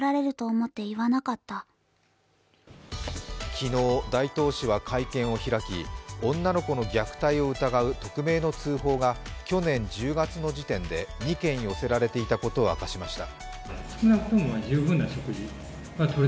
昨日、大東市は会見を開き、女の子の虐待を疑う匿名の通報が去年１０月の時点で２件寄せられていたことを明かしました。